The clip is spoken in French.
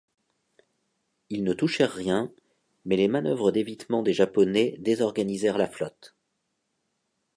Ils ne touchèrent rien, mais les manœuvres d'évitement des Japonais désorganisèrent la flotte.